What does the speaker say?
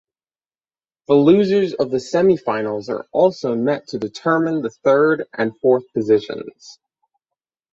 The losers of the semifinals also met to determine the third and fourth positions.